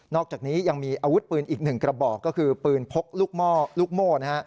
อกจากนี้ยังมีอาวุธปืนอีกหนึ่งกระบอกก็คือปืนพกลูกโม่นะฮะ